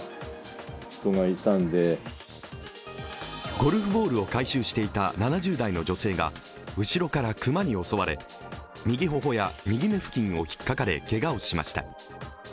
ゴルフボールを回収していた７０代の女性が後ろから熊に襲われ右頬や右目付近をひっかかれけがをしました。